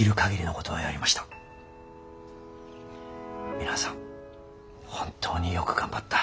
皆さん本当によく頑張った。